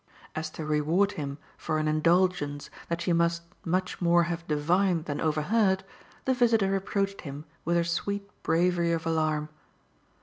As to reward him for an indulgence that she must much more have divined than overheard the visitor approached him with her sweet bravery of alarm.